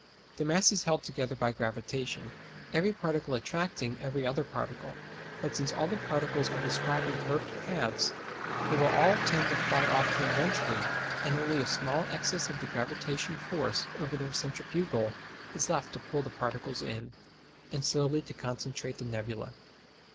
The mass is held together by gravitation, every particle attracting every other particle; but since all the particles are describing curved paths, they will tend to fly off tangentially, and only a small excess of the gravitation force over the centrifugal is left to pull the particles in, and slowly to concentrate the nebula.